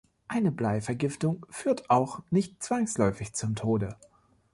Eine Bleivergiftung führt auch nicht zwangsläufig zum Tode.